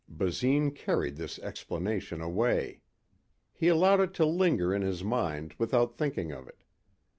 Basine carried this explanation away. He allowed it to linger in his mind without thinking of it.